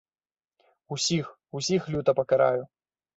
Усіх, усіх люта пакараю!